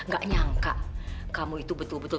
gak nyangka kamu itu betul betul